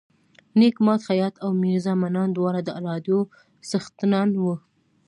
نیک ماد خیاط او میرزا منان دواړه د راډیو څښتنان وو.